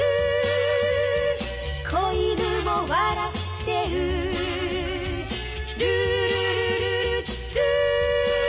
「小犬も笑ってる」「ルールルルルルー」